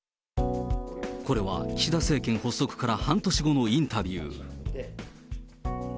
これは岸田政権発足から半年後のインタビュー。